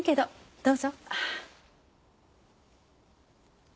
どうぞ。